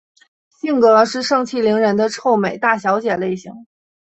性格是盛气凌人的臭美大小姐类型。